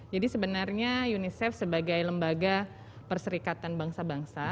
jadi sebenarnya unicef sebagai lembaga perserikatan bangsa bangsa